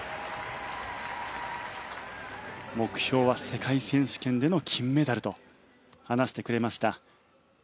目標は世界選手権での金メダルと話してくれました。